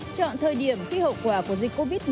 chọn thời điểm khi hậu quả của dịch covid một mươi